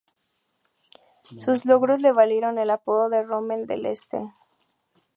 Sus logros le valieron el apodo de Rommel del Este.